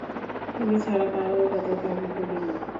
তিনি ছাড়া কারও ইবাদতও আমি করি না।